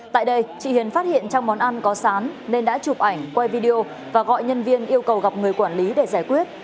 tại đây chị hiền phát hiện trong món ăn có sán nên đã chụp ảnh quay video và gọi nhân viên yêu cầu gặp người quản lý để giải quyết